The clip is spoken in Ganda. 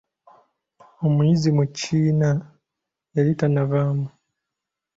Omuyizi mu kiina yali tanavaamu.